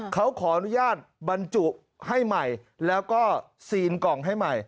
เขาขออนุญาตบรรจุให้ใหม่แล้วก็ซีนกล่องให้ใหม่